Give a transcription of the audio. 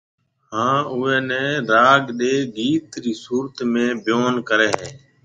هان اوئي نيَ راگ ڏي گيت رِي صورت ۾ بيون ڪريَ هيَ